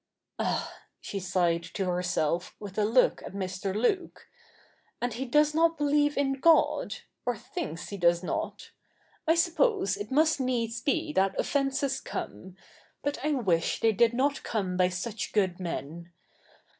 'Ah,' she sighed to herself with a look at Mr. Luke, 'and he does not believe in God — or thinks he does not ! I suppose it must needs be that offences come ; but I wish they did not come by such good men.